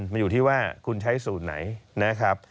มันอยู่ที่ว่าคุณใช้สูตรไหนนะครับ